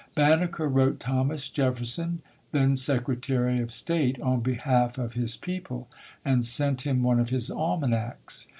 Banneker wrote Thomas Jefferson, then Sec retary of State, on behalf of his people, and sent him one of his almanacs.